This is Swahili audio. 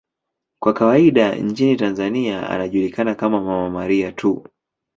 Kwa kawaida nchini Tanzania anajulikana kama 'Mama Maria' tu.